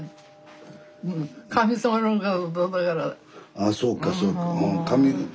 ああそうかそうか。